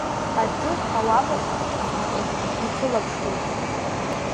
Аџыр ауапақәа ивҵаџьгәо дихылаԥшуеит.